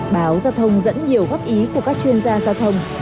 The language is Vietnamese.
báo giao thông dẫn nhiều góp ý của các chuyên gia giao thông